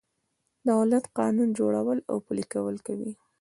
دولت قانون جوړول او پلي کول کوي.